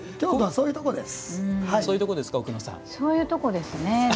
そういうとこですね。